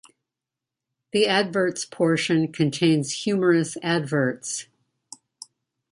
The "Adverts" portion contains humorous adverts.